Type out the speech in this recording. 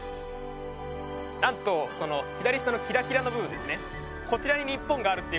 なんと左下のキラキラの部分ですねえっ！